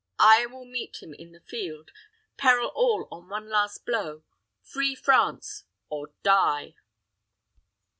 I will meet him in the field, peril all on one last blow, free France, or die!"